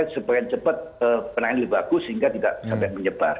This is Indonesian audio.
supaya cepat penanganan lebih bagus sehingga tidak sampai menyebar